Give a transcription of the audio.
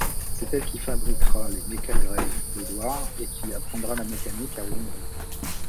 C'est elle qui fabriquera les méca-greffes d'Edward et qui apprendra la mécanique à Winry.